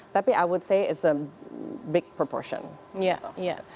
tapi saya akan bilang ini adalah proportion besar